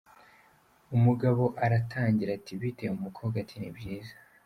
Umugabo aratangira ati bite? Umukobwa ati ni byiza.